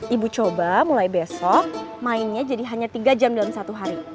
ibu coba mulai besok mainnya jadi hanya tiga jam dalam satu hari